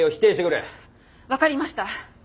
分かりました。